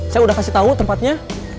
saya udah kasih tau tempatnya